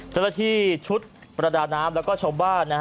เจ้าอาธิชุดประดาน้ำแล้วก็ชมบ้านนะฮะ